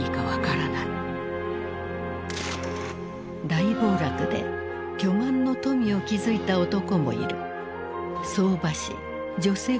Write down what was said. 大暴落で巨万の富を築いた男もいる。